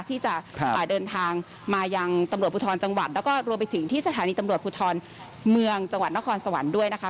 ที่จะเดินทางมายังตำรวจภูทรจังหวัดแล้วก็รวมไปถึงที่สถานีตำรวจภูทรเมืองจังหวัดนครสวรรค์ด้วยนะคะ